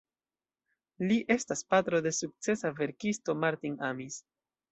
Li estas patro de sukcesa verkisto Martin Amis.